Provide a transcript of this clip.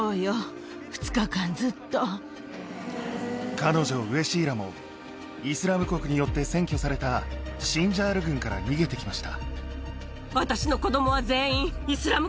彼女ウェシーラも「イスラム国」によって占拠されたシンジャール郡から逃げて来ました。